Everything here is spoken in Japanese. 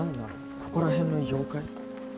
ここら辺の妖怪？